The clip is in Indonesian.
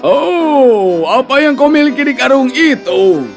oh apa yang kau miliki di karung itu